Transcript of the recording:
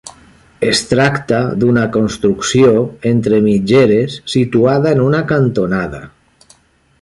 Es tracta d'una construcció entre mitgeres, situada en una cantonada.